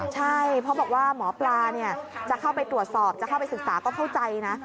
ใช่เพราะบอกว่าหมอปลาจะเข้าไปตรวจสอบจะเข้าไปศึกษาก็เข้าใจนะ